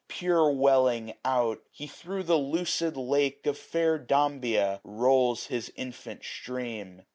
Pure welling out, he thro' the lucid lake Of fair Dambea rolls his infant stream.